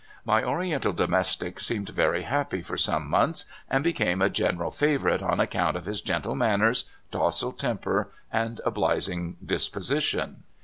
My Oriental domestic seemed very happy for some months, and became a general favorite on account of his gentle manners, docile temper, and obliging disposition.